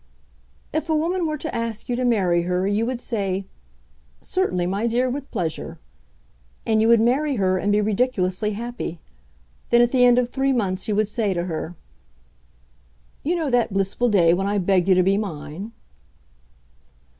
"If a woman were to ask you to marry her you would say, 'Certainly, my dear, with pleasure!' And you would marry her and be ridiculously happy. Then at the end of three months you would say to her, 'You know that blissful day when I begged you to be mine!